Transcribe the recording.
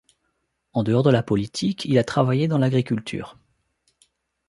En dehors de la politique, il a travaillé dans l'agriculture.